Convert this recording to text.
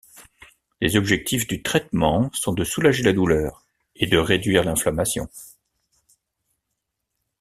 Les objectifs du traitement sont de soulager la douleur et de réduire l'inflammation.